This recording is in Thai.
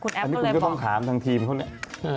นี่คุณก็ต้องถามทางทีมคนนี้